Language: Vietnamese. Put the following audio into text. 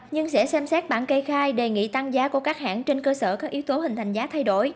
nhưng sẽ xem xét bản kê khai đề nghị tăng giá của các hãng trên cơ sở các yếu tố hình thành giá thay đổi